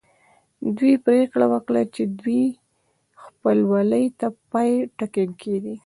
دوی پرېکړه وکړه چې دې خپلوۍ ته د پای ټکی ږدي